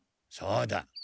そうだ。